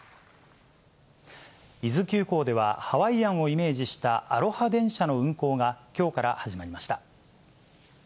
伊豆急行では、ハワイアンをイメージしたアロハ電車の運行がきょうから始まりました。